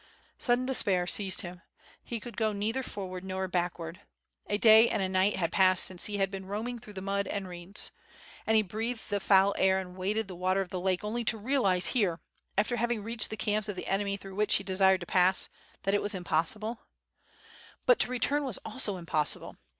Sudden despair seized him. He could go neither forward nor backward. A day and a night had passed since he had been roaming through the mud and reeds. And he breathed the foul air and waded the water of the lake only to realize here, after having reached the camps of the enemy through which he desired to pass, that it was impossible? 50 y86 ^^^^^^^^^^^ SWOiZZ). But to return was also impossible.